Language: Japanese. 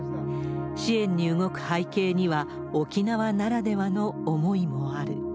支援に動く背景には、沖縄ならではの思いもある。